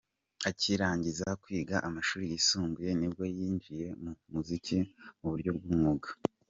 Akirangiza kwiga amashuri yisumbuye ni bwo yinjiye mu muziki mu buryo bw'umwuga.